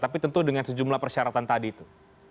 tapi tentu dengan sejumlah persyaratan tadi itu